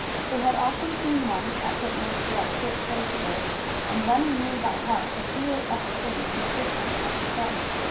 They had often seen one, at picnics or at church sociables, and Bunny knew by heart a few of the things Mr. Punch had to say.